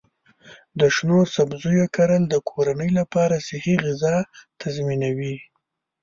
د شنو سبزیو کرل د کورنۍ لپاره صحي غذا تضمینوي.